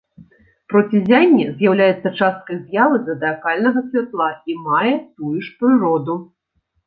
Проціззянне з'яўляецца часткай з'явы задыякальнага святла і мае тую ж прыроду.